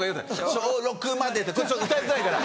小６までってちょっと歌いづらいから。